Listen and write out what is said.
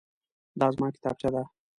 دا زما کتابچه ده.